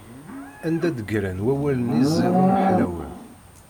Anda d-ggran wawalen-nni ẓiden ḥlawen?